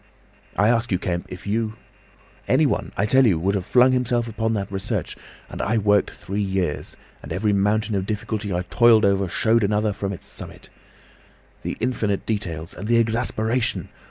I ask you, Kemp if you ... Anyone, I tell you, would have flung himself upon that research. And I worked three years, and every mountain of difficulty I toiled over showed another from its summit. The infinite details! And the exasperation!